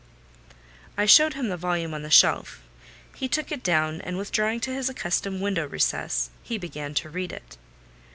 I showed him the volume on the shelf: he took it down, and withdrawing to his accustomed window recess, he began to read it.